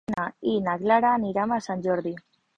El vint-i-tres de maig na Lena i na Clara aniran a Sant Jordi.